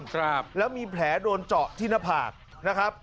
ครับแล้วมีแผลโดนเจาะที่หน้าผากนะครับ